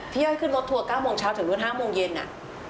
พี่ย้อยขึ้นรถทัวร์๙โมงเช้าถึงรุ่น๕โมงเย็นน่ะ